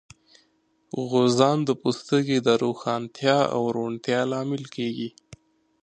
غوزان د پوستکي د روښانتیا او روڼتیا لامل کېږي.